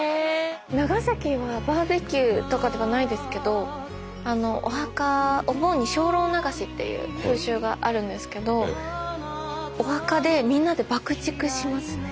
長崎はバーベキューとかではないですけどお墓お盆に精霊流しっていう風習があるんですけどお墓でみんなで爆竹しますね。